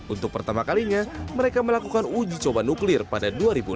untuk pertama kalinya mereka melakukan uji coba nuklir pada dua ribu dua puluh